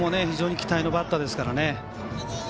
非常に期待のバッターですからね。